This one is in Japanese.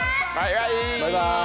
バイバイ！